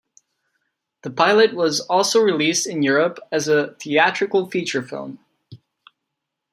The pilot was also released in Europe as a theatrical feature film.